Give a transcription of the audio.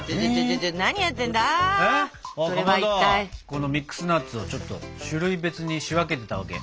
このミックスナッツをちょっと種類別に仕分けてたわけ。